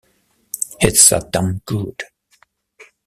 It's that damn good.